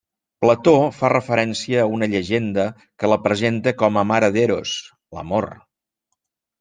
Plató fa referència a una llegenda que la presenta com a mare d'Eros, l'amor.